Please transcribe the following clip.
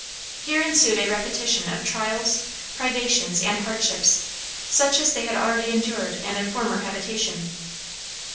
Here ensued a repetition of trials, privations, and hardships, such as they had already endured in their former habitation.